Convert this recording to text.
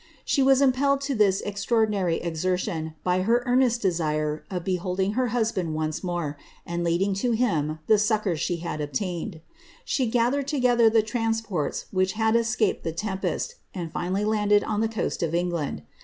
She was impelled to tliis extmordinary exertion by her eameit desire of l>eholding her husband once more, and leading to him the succoorsdie ' had obtained. She gathered together tlie tranr^iHirts which had escaped the tempest, and finally landed on the coast of England.